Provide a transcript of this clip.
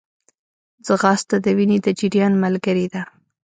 ځغاسته د وینې د جریان ملګری ده